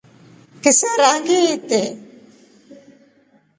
Ngisera ngiitre.